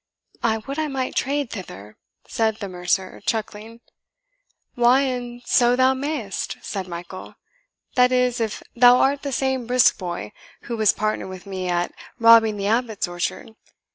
"I would I might trade thither," said the mercer, chuckling. "Why, and so thou mayest," said Michael "that is, if thou art the same brisk boy who was partner with me at robbing the Abbot's orchard.